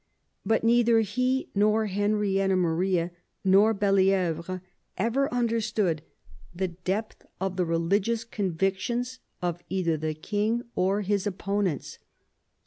But neither he nor Henrietta Maria nor Belli^vre ever understood the depth of the religious II THE REBELLION IN ENGLAND 87 convictions of either the king or his opponents.